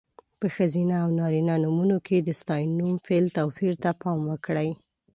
په ښځینه او نارینه نومونو کې د ستاینوم، فعل... توپیر ته پام وکړئ.